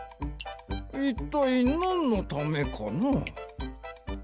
いったいなんのためかな？